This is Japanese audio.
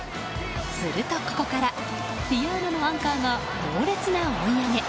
すると、ここからｄｉａｎａのアンカーが猛烈な追い上げ。